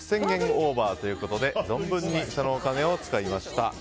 オーバーということで存分にそのお金を使いました。